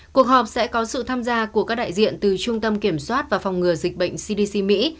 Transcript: cuộc họp sẽ có sự tham gia của các đại diện từ trung tâm kiểm soát và phòng ngừa dịch bệnh cdc mỹ